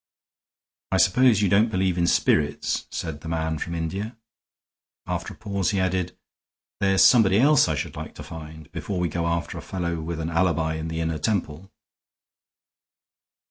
"I suppose you don't believe in spirits?" said the man from India. After a pause he added: "There's somebody else I should like to find, before we go after a fellow with an alibi in the Inner Temple.